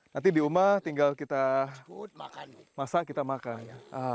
nanti di uma tinggal kita masak kita makan